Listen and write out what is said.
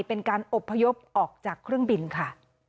เป็นการอบพยพออกจากเครื่องบินค่ะ